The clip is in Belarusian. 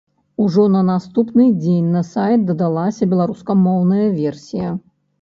Ужо на наступны дзень на сайт дадалася беларускамоўная версія.